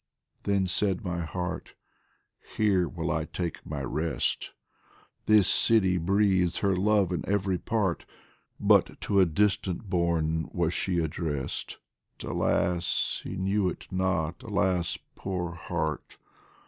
Then said my heart : Here will I take my rest ! This city breathes her love in every part. But to a distant bourne was she addressed, Alas ! he knew it not, alas, poor heart